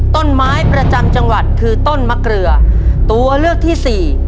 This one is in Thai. ต้นไม้ประจำจังหวัดคือต้นมะเกลือตัวเลือกที่สี่